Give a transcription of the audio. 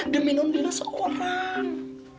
demi nolila seorang